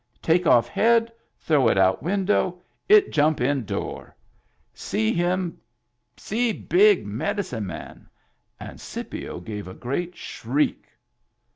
Take off head, throw it out win dow, it jump in door. See him, see big medicine man !" And Scipio gave a great shriek.